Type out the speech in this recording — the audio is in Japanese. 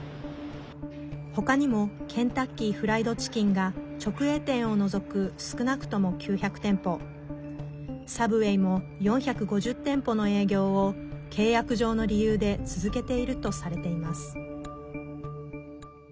ほかにもケンタッキー・フライド・チキンが直営店を除く少なくとも９００店舗サブウェイも４５０店舗の営業を契約上の理由で続けているとされています。